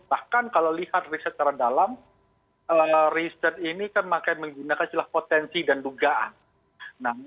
bahkan kalau lihat riset secara dalam riset ini kan makanya menggunakan istilah potensi dan dugaan